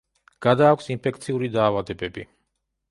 გადააქვს ინფექციური დაავადებები.